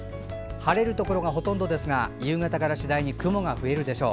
晴れるところがほとんどですが夕方から次第に雲が増えるでしょう。